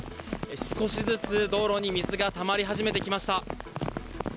少しずつ、道路に水がたまり始めてきました。